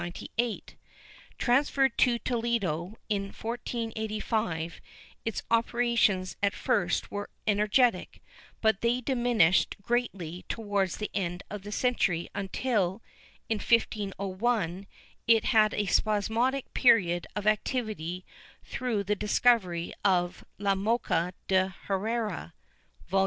^ Transferred to Toledo, in 1485, its operations at first were energetic, but they diminished greatly towards the end of the century until, in 1501, it had a spasmodic period of activity through the discovery of ''La Mo^a de Herrera" (Vol.